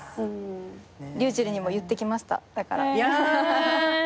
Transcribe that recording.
ｒｙｕｃｈｅｌｌにも言ってきました。